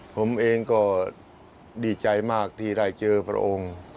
ผมเองก็ดีใจมากที่ได้เจอพระองค์